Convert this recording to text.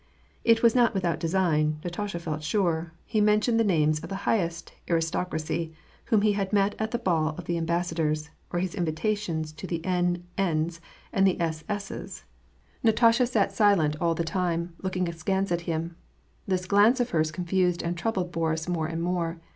It was not without design, Natasha felt sure, lie men tioned the names of the highest aristocracy, whom he had met at the ball of the ambassadors, or his invitations to the N. N.'s and the S. S.'s. WAR AND PEACE. 193 Natasha sat silent all the time, looking askance at him. This glance of hers confused and troubled Boris more and more.